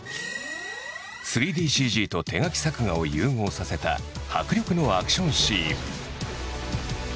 ３ＤＣＧと手描き作画を融合させた迫力のアクションシーン。